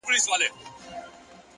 پوهه د نامعلومو لارو نقشه ده,